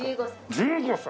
１５歳。